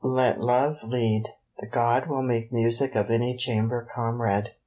Let Love lead, the God will make music of any chamber comrade.